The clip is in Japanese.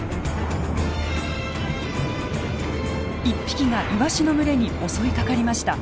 １匹がイワシの群れに襲いかかりました。